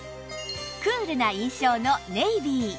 クールな印象のネイビー